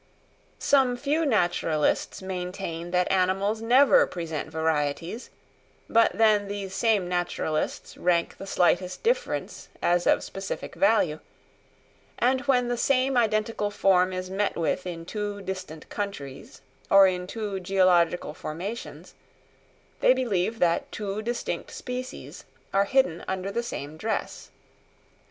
Some few naturalists maintain that animals never present varieties; but then these same naturalists rank the slightest difference as of specific value; and when the same identical form is met with in two distant countries, or in two geological formations, they believe that two distinct species are hidden under the same dress.